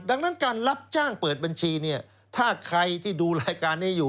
ดังนั้นการรับจ้างเปิดบัญชีเนี่ยถ้าใครที่ดูรายการนี้อยู่